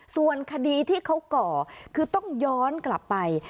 ส่วนคดีที่เขาก่อคือต้องย้อนกลับไป